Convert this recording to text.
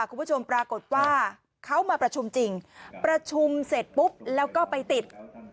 คุณผู้ชมปรากฏว่าเขามาประชุมจริงประชุมเสร็จปุ๊บแล้วก็ไปติด